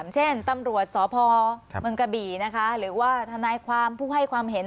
เช่นตำรวจสไม่ฝาเมืองกะบี่นะคะเห็นการทำไมความผู้ให้ความเห็น